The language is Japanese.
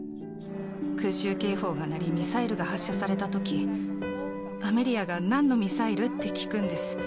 空襲警報が鳴り、ミサイルが発射されたとき、アメリアがなんのミサイル？って聞くんです。